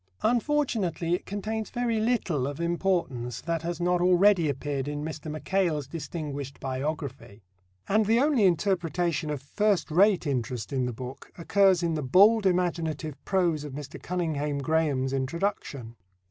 Unfortunately, it contains very little of importance that has not already appeared in Mr. Mackail's distinguished biography; and the only interpretation of first rate interest in the book occurs in the bold imaginative prose of Mr. Cunninghame Graham's introduction.